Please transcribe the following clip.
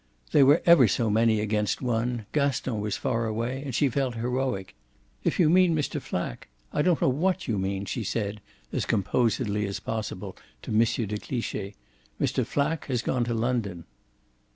They were ever so many against one; Gaston was far away and she felt heroic. "If you mean Mr. Flack I don't know what you mean," she said as composedly as possible to M. de Cliche. "Mr. Flack has gone to London."